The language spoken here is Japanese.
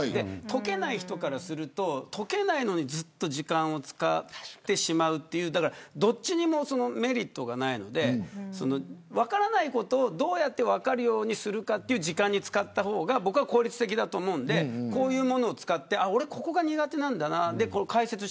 解けない人からすると解けないのに時間をずっと使ってしまうというどっちにもメリットがないので分からないことをどうやって分かるようにするかという時間に使った方が僕は効率的だと思うのでこういうものを使って俺、ここが苦手なんだなと。